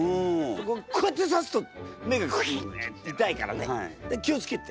でこうやってさすと目がクイッて痛いからね気を付けて。